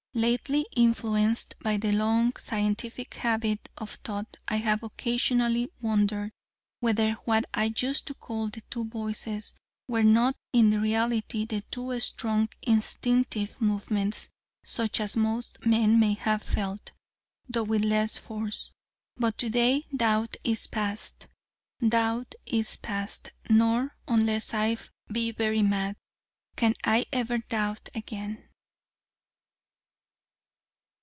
Lately, influenced by my long scientific habit of thought, I have occasionally wondered whether what I used to call 'the two Voices' were not in reality two strong instinctive movements, such as most men may have felt, though with less force. But to day doubt is past, doubt is past: nor, unless I be very mad, can I ever doubt again.